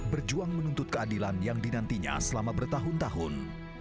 berjuang menuntut keadilan yang dinantinya selama bertahun tahun